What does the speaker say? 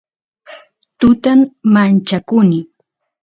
tutan manchakuni